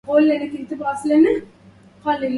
قل للأمير وما بالحق من باسدع